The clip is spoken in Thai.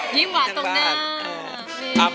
ยิ้มหวานตรงหน้า